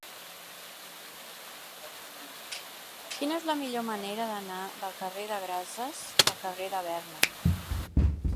Quina és la millor manera d'anar del carrer de Grases al carrer de Berna?